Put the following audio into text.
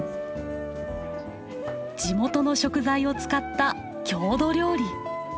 地元の食材を使った郷土料理。